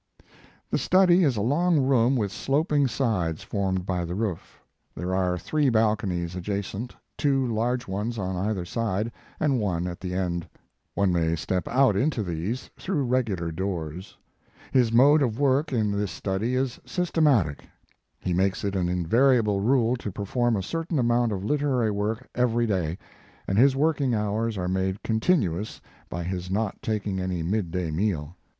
The study is a long room with sloping sides formed by the roof. There are three balconies adjacent, two large ones on either side, and one at the end. One may step out into these through regular doors. His mode of work in this study is systematic. He makes it an invariable rule to perform a certain amount of literary work every day, and his working hours are made continuous by his not taking any midday meal.